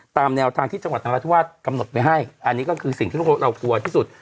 ตามแนวทางที่จังหวัดนราธิวาสกำหนดไปให้อันนี้ก็คือสิ่งที่เรากลัวที่สุด